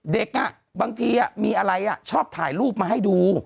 เด็กบางทีมีอะไรชอบถ่ายรูปมาให้ดู